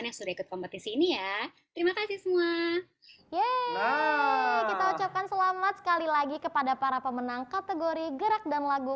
yeay kita ucapkan selamat sekali lagi kepada para pemenang kategori gerak dan lagu